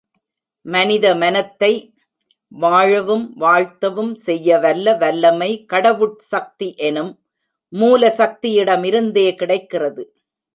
மனித மனத்தை வாழவும், வாழ்த்தவும் செய்யவல்ல வல்லமை கடவுட்சக்தி எனும் மூலசக்தியிடமிருந்தே கிடைக்கிறது.